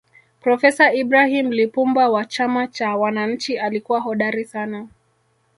profesa ibrahim lipumba wa chama cha wananchi alikuwa hodari sana